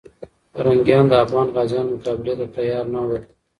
پرنګیانو د افغان غازیانو مقابلې ته تیار نه ول.